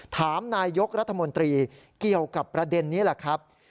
ถามนายยกรัฐมนตรีเกี่ยวกับประเด็นนี้แหละครับ